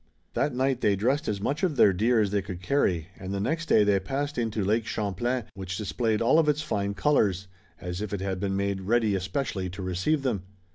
That night they dressed as much of their deer as they could carry, and the next day they passed into Lake Champlain, which displayed all of its finest colors, as if it had been made ready especially to receive them.